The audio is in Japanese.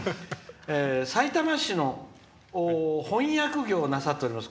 さいたま市の翻訳業をなさっております